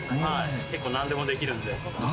結構何でもできるんで。